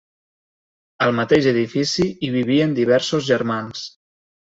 Al mateix edifici hi vivien diversos germans.